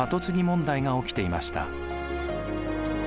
問題が起きていました。